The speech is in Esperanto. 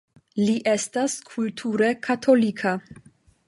Li estas kulture katolika.